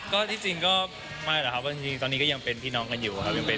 ก็ที่จริงก็ไม่แหละครับว่าจริงตอนนี้ก็ยังเป็นพี่น้องกันอยู่ครับ